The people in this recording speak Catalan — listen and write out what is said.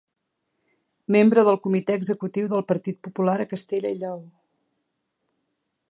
Membre del Comitè Executiu del Partit Popular a Castella i Lleó.